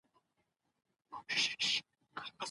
ستا مين په خپل وزر خېژي اسمان ته